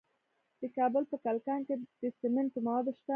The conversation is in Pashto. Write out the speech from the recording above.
د کابل په کلکان کې د سمنټو مواد شته.